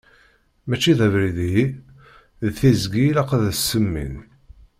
Mačči d abrid ihi d tiẓgi i ilaq ad as-semmin.